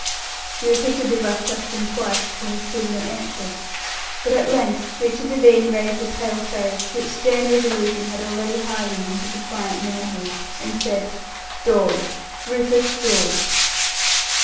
He repeated the rough question twice before his prisoner answered, but at length Richard Devine raised a pale face which stern resolution had already hardened into defiant manhood, and said "Dawes Rufus Dawes."